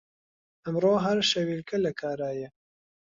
ئەمڕۆ هەر شەویلکە لە کارایە